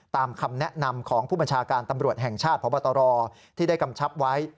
คำแนะนำของผู้บัญชาการตำรวจแห่งชาติพบตรที่ได้กำชับไว้